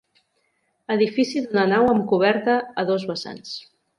Edifici d'una nau amb coberta a dos vessants.